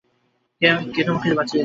কে তোমার জীবন বাঁচাচ্ছে?